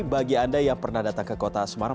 bagi anda yang pernah datang ke kota semarang